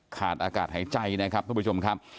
ขาดอากาศหายใจนะครับทุกผู้ชมครับ